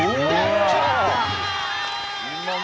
決まった！